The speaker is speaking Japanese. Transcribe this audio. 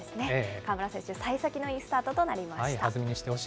川村選手、さい先のよいスタートとなりました。